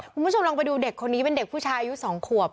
คุณผู้ชมลองไปดูเด็กคนนี้เป็นเด็กผู้ชายอายุ๒ขวบ